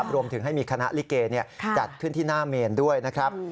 รวมถึงให้มีคณะลิเกจัดขึ้นที่หน้าเมนด้วยนะครับ